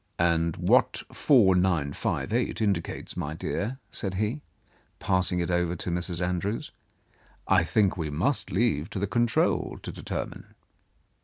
"And what 4958 indicates, my dear," said he, pasing it over to Mrs. Andrews, "I think we must leave to the control to determine."